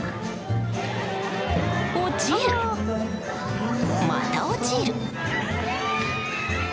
落ちる、また落ちる。